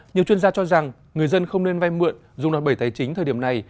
nhiều chuyên gia cho rằng người dân không nên vai mượn dùng đoàn bẩy tài chính thời điểm này